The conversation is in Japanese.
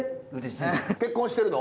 結婚してるの？